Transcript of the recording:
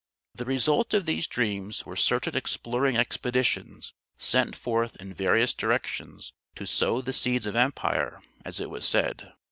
The result of these dreams were certain exploring expeditions sent forth in various directions to "sow the seeds of empire," as it was said.